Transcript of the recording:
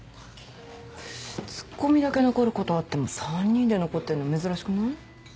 ツッコミだけ残ることはあっても３人で残ってんの珍しくない？